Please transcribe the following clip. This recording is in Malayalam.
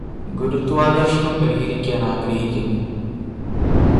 ഗുരുത്വാകര്ഷണം പരിഹരിക്കാൻ ആഗ്രഹിക്കുന്നു